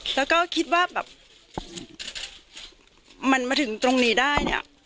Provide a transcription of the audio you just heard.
แล้วก็คิดว่าแบบมันมาถึงตรงนี้ได้เนี่ย